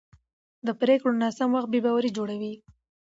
د پرېکړو ناسم وخت بې باوري جوړوي